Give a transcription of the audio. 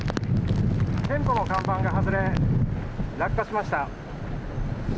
店舗の看板が外れ、落下しました。